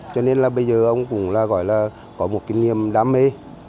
cho nên là bây giờ ông cũng là gọi là có một cái niềm đam mê